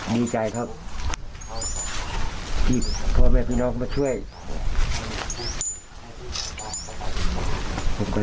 ดีใจครับขอบคุณพี่น้องทุกคนนะครับ